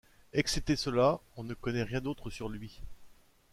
Excepté cela, on ne connaît rien d'autre sur lui.